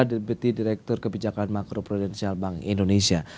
deputy director kebijakan makro prudensial bank indonesia